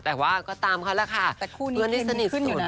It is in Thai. แต่ว่าก็ตามเขาล่ะค่ะเพื่อนที่สนิทสุด